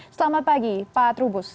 selamat pagi pak trubus